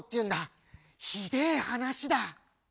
ひでえはなしだ」。